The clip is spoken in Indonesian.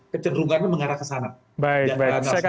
kecenderungannya mengarah ke sana